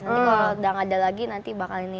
nanti kalau udah gak ada lagi nanti bakal ini